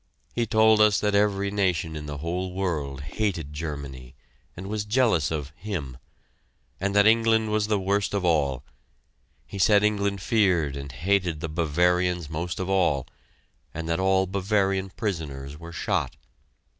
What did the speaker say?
He told us that every nation in the whole world hated Germany and was jealous of "him," and that England was the worst of all. He said England feared and hated the Bavarians most of all, and that all Bavarian prisoners were shot.